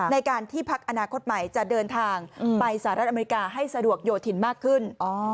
ในการที่พักอนาคตใหม่จะเดินทางไปสหรัฐอเมริกาให้สะดวกโยธินมากขึ้น